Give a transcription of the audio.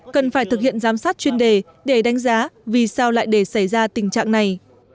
cần phải thực hiện giám sát chuyên đề để đánh giá vì sao lại để xảy ra tình trạng này